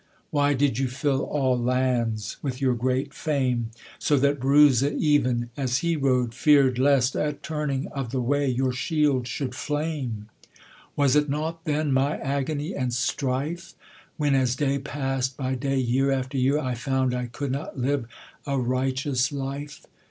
Why did you fill all lands with your great fame, So that Breuse even, as he rode, fear'd lest At turning of the way your shield should flame? Was it nought then, my agony and strife? When as day passed by day, year after year, I found I could not live a righteous life!